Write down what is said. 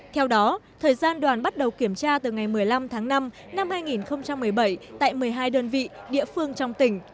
theo đó thời gian đoàn bắt đầu kiểm tra từ ngày một mươi năm tháng năm năm hai nghìn một mươi bảy tại một mươi hai đơn vị địa phương trong tỉnh